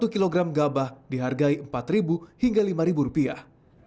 satu kilogram gabah dihargai empat hingga lima rupiah